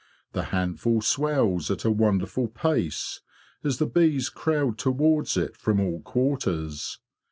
The handful swells at a wonderful pace as the bees crowd towards it from all quarters.